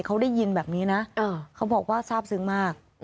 เขาได้ยินแบบนี้นะเขาบอกว่าทราบซึ้งมาก